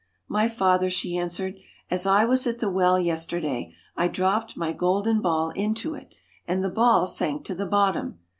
* My father,' she answered, * as I was at the well yesterday, I dropped my golden ball into it, and the ball sank to the bottom.